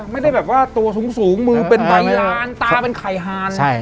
ไม่ได้แบบว่าตัวสูงมือเป็นใบลานตาเป็นไข่ฮาน